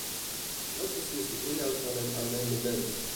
Dat is dus de inhoud van het amendement.